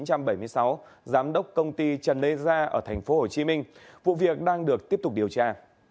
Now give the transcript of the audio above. giám đốc công ty trần lê gia ở tp hcm vụ việc đang được tiếp tục điều tra